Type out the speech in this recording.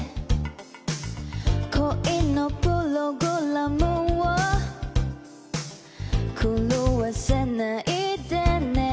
「恋のプログラムを狂わせないでね」